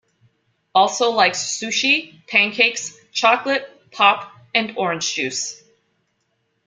Also likes sushi, pancakes, chocolate, pop and orange juice.